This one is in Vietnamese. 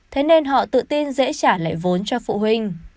thế nên họ tự tin dễ trả lại vốn cho phụ huynh